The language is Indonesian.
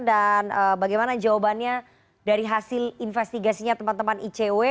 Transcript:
dan bagaimana jawabannya dari hasil investigasinya teman teman icw